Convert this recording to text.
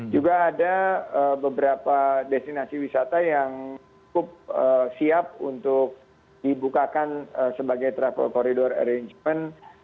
juga ada beberapa destinasi wisata yang cukup siap untuk dibukakan sebagai travel corridor arrangement